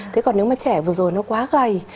thế còn nếu mà trẻ vừa rồi nó quá gầy